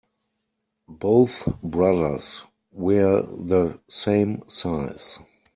Both brothers wear the same size.